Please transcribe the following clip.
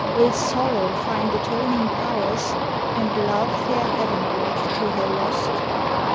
Will Sorrow find atoning Pow'rs, And Love fare heavenward to her lost?